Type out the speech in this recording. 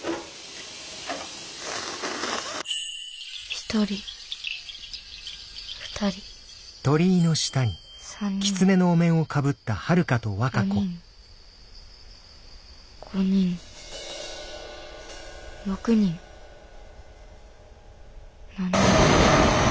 １人２人３人４人５人６人７人。